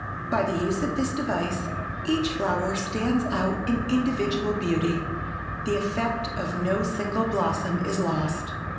By the use of this device each flower stands out in individual beauty. The effect of no single blossom is lost.